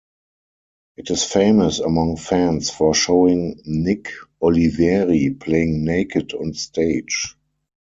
It is famous among fans for showing Nick Oliveri playing naked on stage.